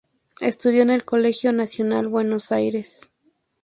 Estudió en el Colegio Nacional Buenos Aires.